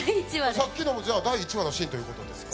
さっきのもじゃ第１話のシーンということですか？